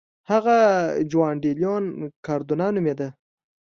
هغه جوان ډي لیون کاردونا نومېده.